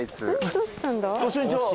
どうしたんだ？